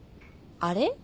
あれ。